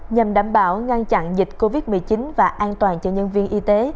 nhằm đảm bảo ngăn chặn dịch covid một mươi chín và an toàn cho nhân viên y tế